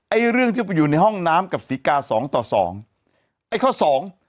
เรื่องที่ไปอยู่ในห้องน้ำกับศรีกาสองต่อสองไอ้ข้อสอง